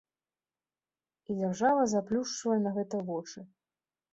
І дзяржава заплюшчвае на гэта вочы.